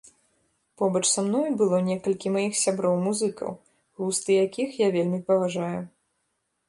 Побач са мной было некалькі маіх сяброў-музыкаў, густы якіх я вельмі паважаю.